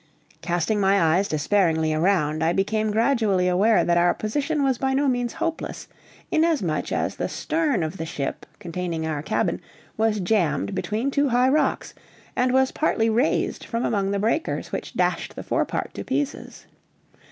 Casting my eyes despairingly around, I became gradually aware that our position was by no means hopeless, inasmuch as the stern of the ship containing our cabin was jammed between two high rocks, and was partly raised from among the breakers which dashed the forepart to pieces.